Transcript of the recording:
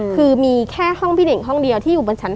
คือมีแค่ห้องพี่เน่งห้องเดียวที่อยู่บนชั้น๓